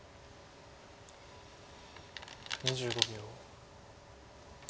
２５秒。